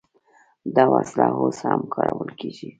دا وسله اوس هم کارول کیږي.